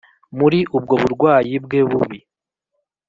muri ubwo burwayi bwe bubi